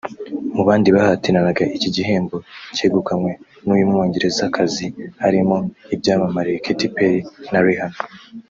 Mu bandi bahataniraga iki gihembo cyegukanywe n’uyu Mwongerezakazi harimo ibyamamare Katy Perry na Rihanna